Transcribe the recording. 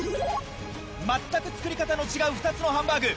まったく作り方の違う２つのハンバーグ。